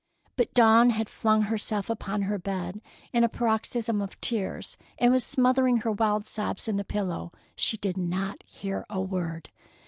But Dawn had flung herself upon her bed in a paroxysm of tears, and was smothering her wild sobs in the pillow. She did not hear a word.